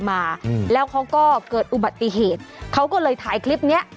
มาอืมแล้วเขาก็เกิดอุบัติเหตุเขาก็เลยถ่ายคลิปเนี้ย